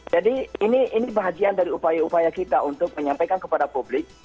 jadi ini bahagian dari upaya upaya kita untuk menyampaikan kepada publik